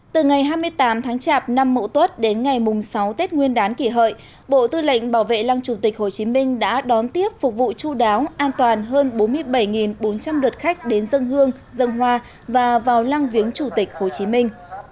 từ ngày hai mươi tám tháng chạp năm mậu tuất đến ngày mùng sáu tết nguyên đán kỷ hợi bộ tư lệnh bảo vệ lăng chủ tịch hồ chí minh đã đón tiếp phục vụ chú đáo an toàn hơn bốn mươi bảy bốn trăm linh lượt khách đến dân hương dân hoa và vào lăng viếng chủ tịch hồ chí minh